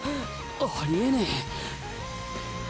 ありえねえ！